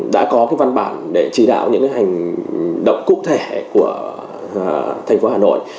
đã có cái văn bản để chỉ đạo những cái hành động cụ thể của thành phố hà nội